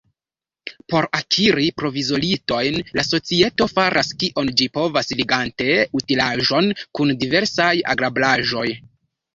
Por akiri prozelitojn, la societo faras, kion ĝi povas, ligante utilaĵon kun diversaj agrablaĵoj.